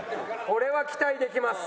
これは期待できます。